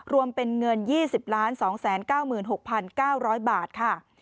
รวมเป็นเงิน๒๐๒๙๖๙๐๐บาทค่ะ